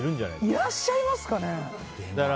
いらっしゃいますかね。